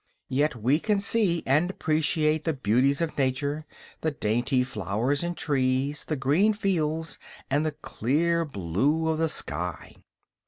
Yet we can see and appreciate the beauties of nature, the dainty flowers and trees, the green fields and the clear blue of the sky."